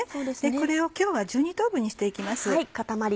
これを今日は１２等分にして行きます。